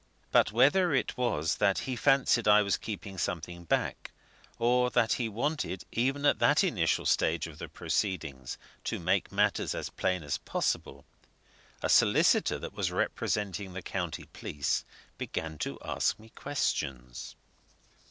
But whether it was that he fancied I was keeping something back, or that he wanted, even at that initial stage of the proceedings, to make matters as plain as possible, a solicitor that was representing the county police began to ask me questions.